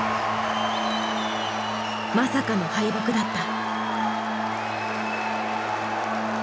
まさかの敗北だった。